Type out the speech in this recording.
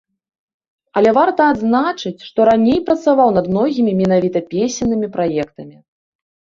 Але варта адзначыць, што раней працаваў над многімі менавіта песеннымі праектамі.